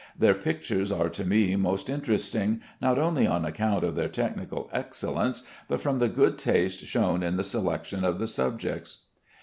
Their pictures are to me most interesting, not only on account of their technical excellence, but from the good taste shown in the selection of the subjects.